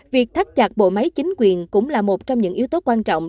việc thắt chặt bộ máy chính quyền cũng là một trong những yếu tố quan trọng